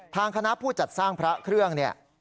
ทางคณะผู้จัดสร้างพระเครื่องเนี่ย